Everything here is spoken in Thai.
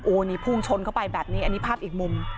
นี่พุ่งชนเข้าไปแบบนี้อันนี้ภาพอีกมุม